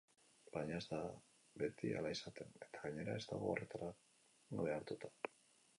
Baina ez da beti hala izaten, eta gainera ez dago horretara behartuta.